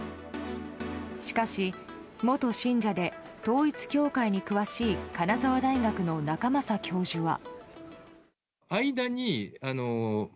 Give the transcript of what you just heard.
しかし元信者で統一教会に詳しい金沢大学の仲正教授は。